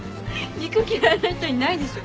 肉嫌いな人いないでしょ。